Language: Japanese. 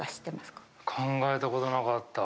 考えたことなかった。